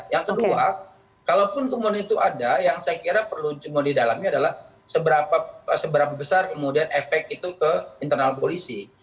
yang kedua kalaupun kemudian itu ada yang saya kira perlu di dalamnya adalah seberapa besar kemudian efek itu ke internal polisi